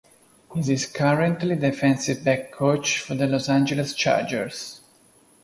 He is currently defensive backs coach for the Los Angeles Chargers.